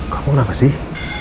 kamu kenapa sih